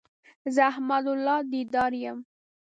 زه احمد الله ديدار يم